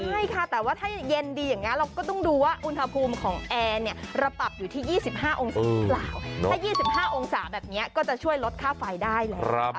ใช่ค่ะแต่ว่าถ้าเย็นดีอย่างนี้เราก็ต้องดูว่าอุณหภูมิของแอร์เนี่ยเราปรับอยู่ที่๒๕องศาถ้า๒๕องศาแบบนี้ก็จะช่วยลดค่าไฟได้แหละ